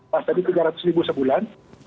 pas tadi rp tiga ratus sebulan